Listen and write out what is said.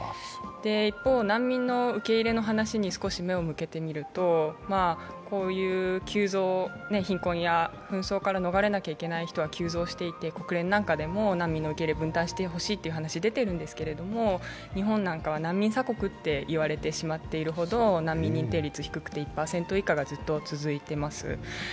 一方、難民の受け入れの話に少し目を向けてみるとこういう貧困や紛争から逃れなきゃいけない人は急増していて国連なんかでも難民の受け入れを分担してほしいという話が出ているんですけど日本なんかは難民鎖国と言われてしまっているほど難民認定率が低くて１％台がずっと続いています。